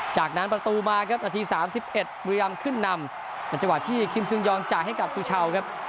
จากนั้นประตูมาครับนาทีสามสิบเอ็ดบุรีลำขึ้นนำในตอนที่คิมสุยองจากให้กับซุช่าวครับ